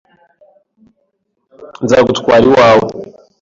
Nzagutwara iwawe.